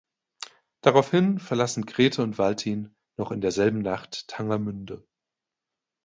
Daraufhin verlassen Grete und Valtin noch in derselben Nacht Tangermünde.